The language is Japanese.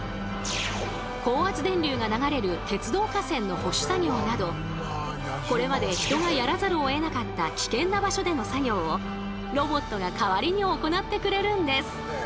高圧電流が流れる鉄道架線の保守作業などこれまで人がやらざるをえなかった危険な場所での作業をロボットが代わりに行ってくれるんです。